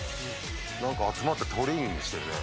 何か集まってトレーニングしてるね。